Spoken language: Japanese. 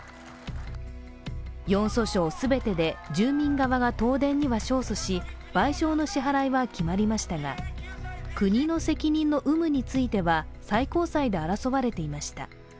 ４訴訟全てで住民側が東電には勝訴し賠償の支払いは決まりましたが、国の責任の有無については最高裁で争われていました。